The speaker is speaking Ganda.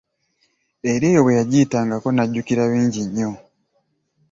Era eyo bwe yagiyitangako, ng'ajjukira bingi nnyo.